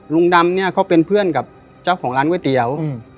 ลุงดำเนี่ยเขาเป็นเพื่อนกับเจ้าของร้านก๋วยเตี๋ยว